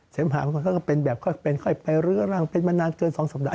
เสมหามันก็จะเป็นแบบค่อยไปเรื้อร่างเป็นมานานเกินอีกสองสัปดาห์